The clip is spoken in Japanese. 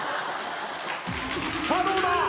さあどうだ